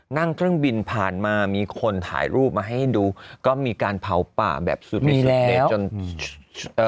นั่งเครื่องบินผ่านมามีคนถ่ายรูปมาให้ดูก็มีการเผาป่าแบบสุดเลยจนเอ่อ